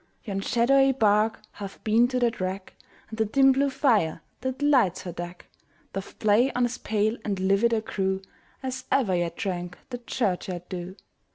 Yon shadowy bark hath been to that wreck, And the dim blue fire, that lights her deck, Doth play on as pale and livid a crew, As ever yet drank the churchyard dew.